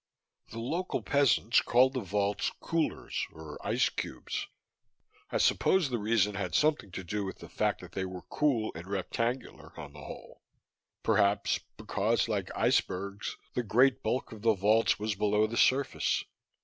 The local peasants called the vaults "coolers" or "ice cubes." I suppose the reason had something to do with the fact that they were cool and rectangular, on the whole perhaps because, like icebergs, the great bulk of the vaults was below the surface.